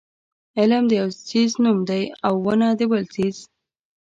علم د یو څیز نوم دی او ونه د بل څیز.